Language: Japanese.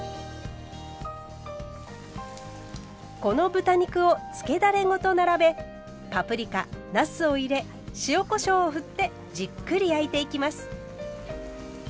この豚肉を漬けだれごと並べパプリカなすを入れ塩・こしょうを振ってじっくり焼いていきます。